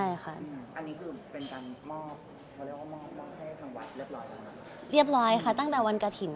อันนี้คือเป็นการมอบเขาเรียกว่ามอบให้ทางวัดเรียบร้อยแล้วหรือเปล่า